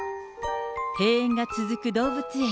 閉園が続く動物園。